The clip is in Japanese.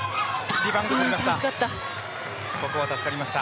リバウンドとりました。